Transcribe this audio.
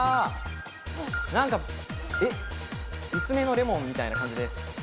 薄めのレモンみたいな感じです。